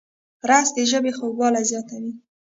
رس د ژبې خوږوالی زیاتوي